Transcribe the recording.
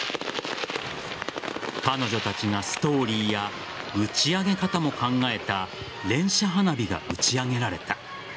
彼女たちがストーリーや打ち上げ方も考えた連射花火が打ち上げられた。